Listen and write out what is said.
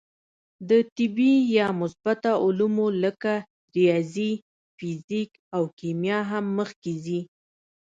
د طبعي یا مثبته علومو لکه ریاضي، فیزیک او کیمیا هم مخکې ځي.